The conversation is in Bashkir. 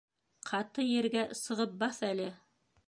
Ҡаты ергә сығып баҫ әле!